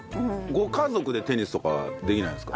ご家族でテニスとかはできないんですか？